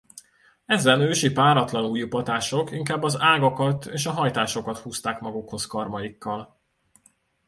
Ezen ősi páratlanujjú patások inkább az ágakat és a hajtásokat húzták magukhoz karmaikkal.